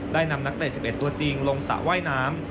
ได้นำนักเตะ๑๑ตัวจริงลงสระว่ายน้ำ